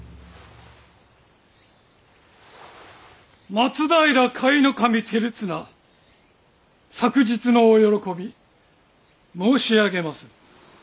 松平甲斐守輝綱朔日のお喜び申し上げまする。